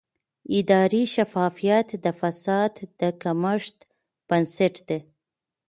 اداري شفافیت د فساد د کمښت بنسټ دی